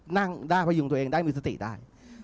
นั่งประยุงตัวเองมีสติได้